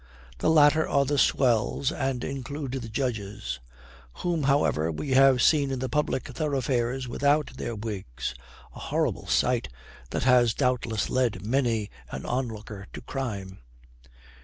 The latter are the swells, and include the judges; whom, however, we have seen in the public thoroughfares without their wigs, a horrible sight that has doubtless led many an onlooker to crime.